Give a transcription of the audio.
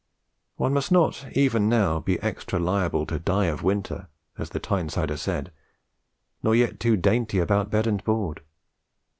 One must not even now be extra liable to 'die of winter,' as the Tynesider said, nor yet too dainty about bed and board.